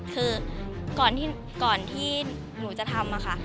คือก่อนที่หนูจะทำค่ะ